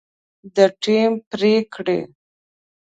د ټیم پرېکړې